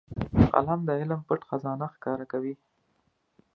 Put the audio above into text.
قلم د علم پټ خزانه ښکاره کوي